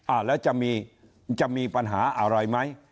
อ่ะแล้วจะมีปัญหาอะไรไหม